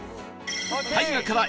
大河から